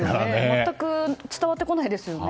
全く伝わってこないですよね。